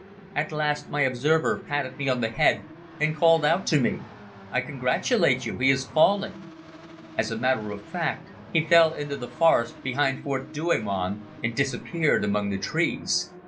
At last my observer patted me on the head and called out to me: "I congratulate you. He is falling." As a matter of fact he fell into a forest behind Fort Douaumont and disappeared among the trees.